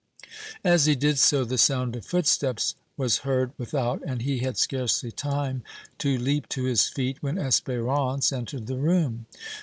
As he did so the sound of footsteps was heard without, and he had scarcely time to leap to his feet when Espérance entered the room.